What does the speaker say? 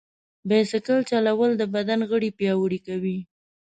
بایسکل چلول د بدن غړي پیاوړي کوي.